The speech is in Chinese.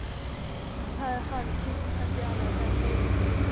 蔡汉卿参加了战斗。